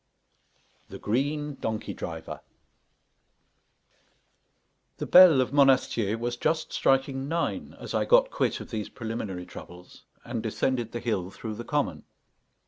THE GREEN DONKEY DRIVER The bell of Monastier was just striking nine as I got quit of these preliminary troubles and descended the hill through the common.